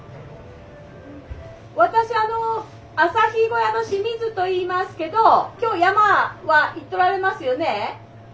私あの朝日小屋の清水といいますけど今日山は行っとられますよね？